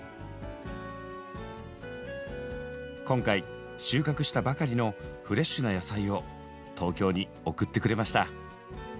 今回収穫したばかりのフレッシュな野菜を東京に送ってくれました。